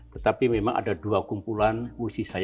tetapi memang ada dua kumpulan musi saya